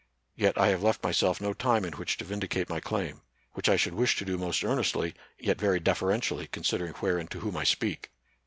Yet I have left myself no time in which to vindicate my claim ; which I should wish to do most earnestly, yet very deferentially, considering where and to whom I speak.